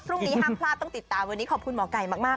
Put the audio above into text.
บนนี้ห้ามพลาดต้องติดตามขอบคุณหมอกัยมาก